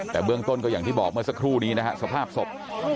แต่เบื้องต้นก็อย่างที่บอกเมื่อสักครู่นี้นะฮะสภาพศพ